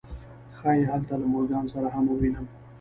ښایي هلته له مورګان سره هم وویني